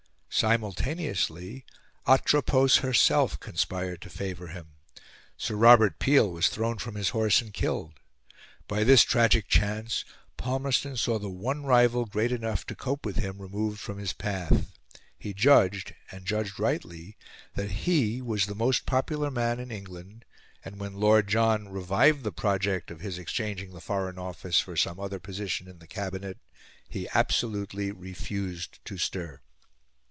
Simultaneously, Atropos herself conspired to favour him. Sir Robert Peel was thrown from his horse and killed. By this tragic chance, Palmerston saw the one rival great enough to cope with him removed from his path. He judged and judged rightly that he was the most popular man in England; and when Lord John revived the project of his exchanging the Foreign Office for some other position in the Cabinet, he absolutely refused to stir.